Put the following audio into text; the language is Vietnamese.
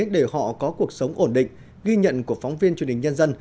để họ có cuộc sống ổn định ghi nhận của phóng viên truyền hình nhân dân